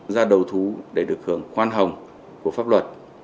ra đầu thú để được hưởng khoan hồng của pháp luật